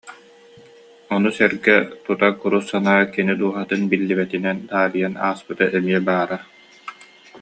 Ону сэргэ тута курус санаа кини дууһатын биллибэтинэн таарыйан ааспыта эмиэ баара